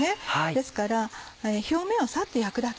ですから表面をサッて焼くだけ。